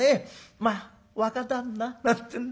『まあ若旦那』なんてんでね